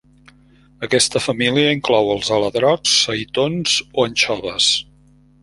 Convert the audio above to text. Aquesta família inclou els aladrocs, seitons o anxoves.